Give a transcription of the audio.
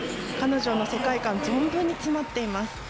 彼女の世界観が存分に詰まっています。